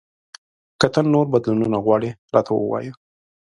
که ته نور بدلونونه غواړې، راته ووایه !